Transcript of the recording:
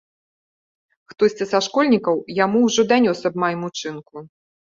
Хтосьці са школьнікаў яму ўжо данёс аб маім учынку.